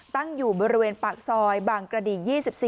ตั้งอยู่บริเวณปากซอยบางกระดี๒๔